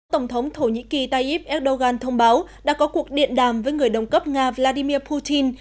tổng thống thổ nhĩ kỳ tayyip erdogan thông báo đã có cuộc điện đàm với người đồng cấp nga vladimir putin